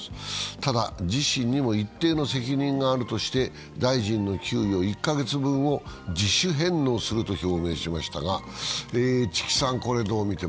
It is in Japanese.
ただ、自身にも一定の責任があるとして大臣の給与１か月分を自主返納すると表明しました。